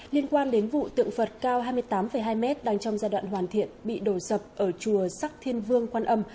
liên quan đến vụ tượng vật cao hai mươi tám hai mét đang trong giai đoạn hoàn thiện bị đổ dập ở chùa sắc thiên vương quang âm